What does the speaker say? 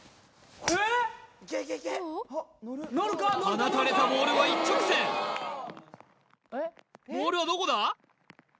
放たれたボールは一直線ボールはどこだ？